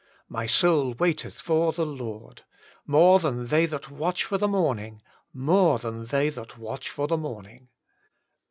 My soul waiteth for the Lord More than they that watch for the morning t More than they that watch for the morning.